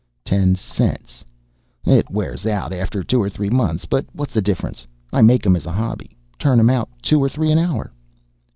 "Ten cents. It wears out after two or three months, but what's the difference? I make 'em as a hobby turn out two or three an hour."